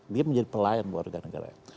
dia menjadi pelayan warga negaranya